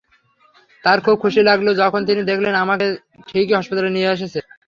তার খুব খুশি লাগল, যখন তিনি দেখলেন আমান তাকে ঠিকই হসপিটালে নিয়ে এসেছে।